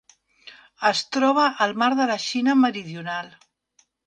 Es troba al mar de la Xina Meridional.